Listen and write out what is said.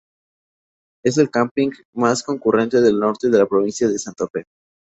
Es el camping más concurrente del norte de la provincia de Santa Fe.